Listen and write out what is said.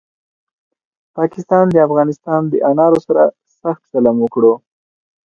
پاکستاد د افغانستان دانارو سره سخت ظلم وکړو